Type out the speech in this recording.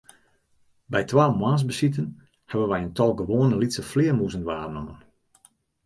By twa moarnsbesiten hawwe wy in tal gewoane lytse flearmûzen waarnommen.